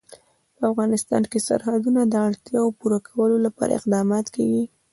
په افغانستان کې د سرحدونه د اړتیاوو پوره کولو لپاره اقدامات کېږي.